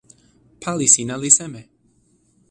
pali sina li seme?